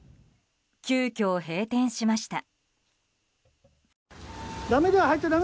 急きょ閉店しました。